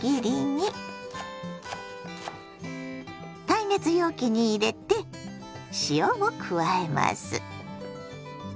耐熱容器に入れて塩を加えます。